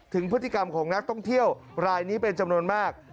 ถึงพฤติกรรมของนักท่องเที่ยวรายนี้เป็นจำนวนมาก